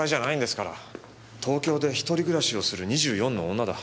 東京で一人暮らしをする２４の女だ。